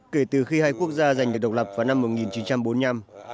kể từ khi hai quốc gia giành được độc lập vào năm một nghìn chín trăm bốn mươi năm